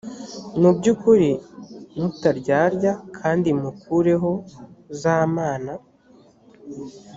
mu by ukuri mutaryarya kandi mukureho za mana